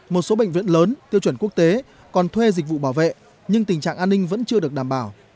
một số bệnh viện lớn tiêu chuẩn quốc tế còn thuê dịch vụ bảo vệ nhưng tình trạng an ninh vẫn chưa được đảm bảo